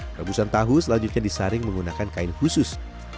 rebusan tahu selanjutnya disaring menggunakan kain khusus